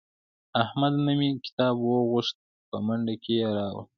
احمد نه مې کتاب وغوښت په منډه کې یې راوړ.